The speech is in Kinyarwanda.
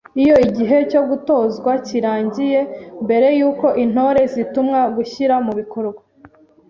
Iyo igihe cyo gutozwa kirangiye, mbere y’uko Intore zitumwa gushyira mu bikorwa